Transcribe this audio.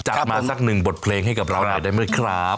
จัดมาสักหนึ่งบทเพลงให้กับเราหน่อยได้ไหมครับ